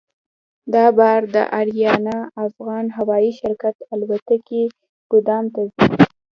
دا بار د اریانا افغان هوایي شرکت الوتکې ګودام ته ځي.